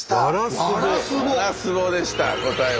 スタジオワラスボでした答えは。